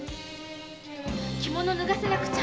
着物脱がせなくちゃ。